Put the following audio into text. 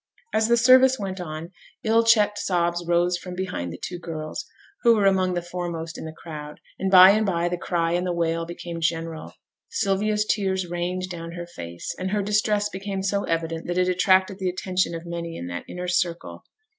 As the service went on, ill checked sobs rose from behind the two girls, who were among the foremost in the crowd, and by and by the cry and the wail became general. Sylvia's tears rained down her face, and her distress became so evident that it attracted the attention of many in that inner circle.